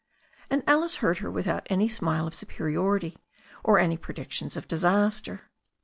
And Alice heard her without any smile of superiority, or any predictions of disaster.